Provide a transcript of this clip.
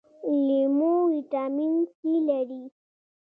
لیمو ویټامین سي لري